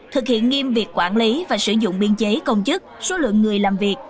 thực hiện nghiêm việc quản lý và sử dụng biên chế công chức số lượng người làm việc